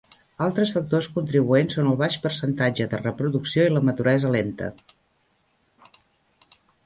Altres factors contribuents són el baix percentatge de reproducció i la maduresa lenta.